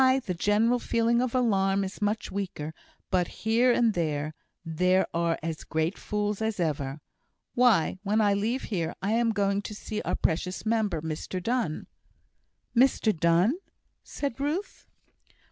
the general feeling of alarm is much weaker; but, here and there, there are as great fools as ever. Why, when I leave here, I am going to see our precious member, Mr Donne " "Mr Donne?" said Ruth.